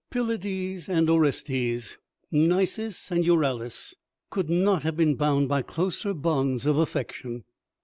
Pylades and Orestes, Nisus and Euryalus, could not have been bound by closer bonds of affection.